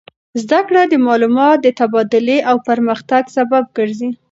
زده کړه د معلوماتو د تبادلې او پرمختګ سبب ګرځي.